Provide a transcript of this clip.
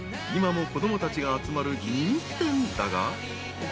今も子供たちが集まる人気店だが］